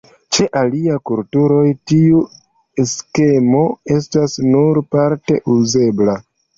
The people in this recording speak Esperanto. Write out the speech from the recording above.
Ĉe aliaj kulturoj tiu skemo estas nur parte uzebla.